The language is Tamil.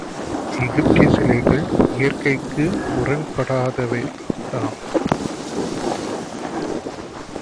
எகிப்திய சிலைகள் இற்கைக்கு முரண்படாதவைதாம்.